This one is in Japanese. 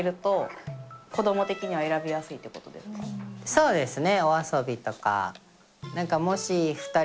そうですね。